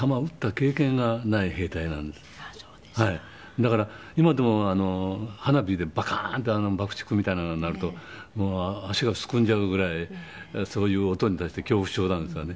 だから今でも花火でバカーンって爆竹みたいなのが鳴るともう足がすくんじゃうぐらいそういう音に対して恐怖症なんですがね。